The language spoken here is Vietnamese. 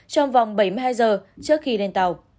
trong vòng bảy mươi hai giờ trước khi lên tàu